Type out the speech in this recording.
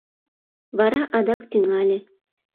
— Вара адак тӱҥале.